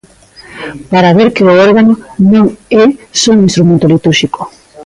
Para ver que o órgano non é só un instrumento litúrxico.